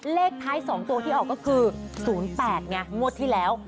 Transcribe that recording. เลขท้าย๒ตัวที่ออกก็คือ๐๘ไงงวดที่แล้ว